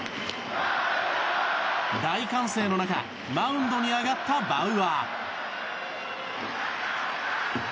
大歓声の中マウンドに上がったバウアー。